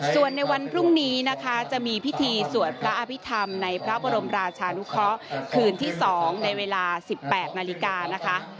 ส่วนในวันพรุ่งนี้นะคะจะมีพิธีสวดพระอภิษฐรรมในพระบรมราชานุเคราะห์คืนที่๒ในเวลา๑๘นาฬิกานะคะ